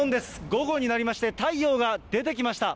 午後になりまして、太陽が出てきました。